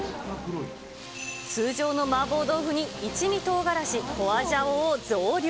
通常の麻婆豆腐に一味とうがらし、ホアジャオを増量。